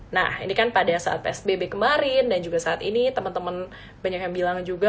nah ini kan pada saat psbb kemarin dan juga saat ini teman teman banyak yang bilang juga